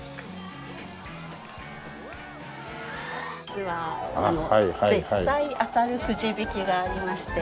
実は絶対当たるくじ引きがありまして。